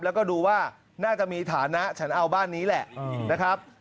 แล้วก็ดูว่าน่าจะมีฐานะฉันเอาบ้านนี้แหละนะครับ